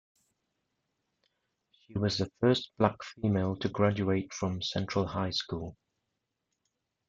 She was the first black female to graduate from Central High School.